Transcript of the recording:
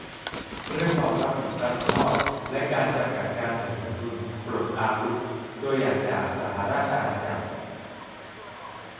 - เรื่องความรับผิดรับชอบและการจำกัดการสะสมทุน-"ปลดอาวุธ" ตัวอย่างจากสหราชอาณาจักร